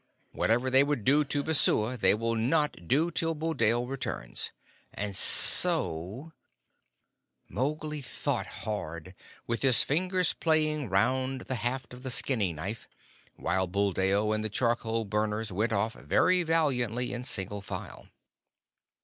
Whatever they would do to Messua they will not do till Buldeo returns. And so " Mowgli thought hard, with his fingers playing round the haft of the skinning knife, while Buldeo and the charcoal burners went off very valiantly in single file.